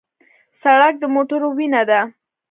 سړک د موټرو وینه ده.